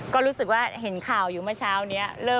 ก็รู้สึกว่าเห็นข่าวอยู่เมื่อเช้านี้